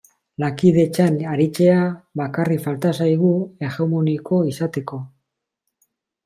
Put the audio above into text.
Lankidetzan aritzea bakarrik falta zaigu hegemoniko izateko.